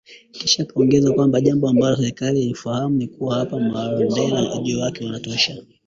Kisha akaongeza kwamba jambo ambalo serikali hailifahamu ni kuwa hapa Marondera, ujio wake unatosha .